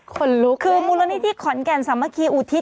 คนลุกคือมูลนิธิขอนแก่นสามัคคีอุทิศ